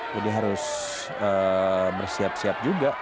jadi harus bersiap siap juga